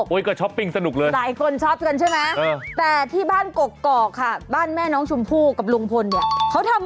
ออกจากกลุ่มไปเลยไม่เป็นไร